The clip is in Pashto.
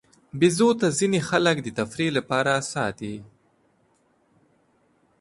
بیزو ته ځینې خلک د تفریح لپاره ساتي.